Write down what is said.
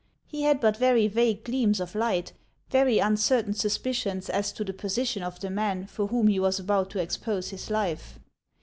He had but very vague gleams of light, very uncertain suspicions as to the position of the man for whom he was about to expose his life.